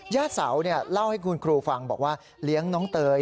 เสาเล่าให้คุณครูฟังบอกว่าเลี้ยงน้องเตย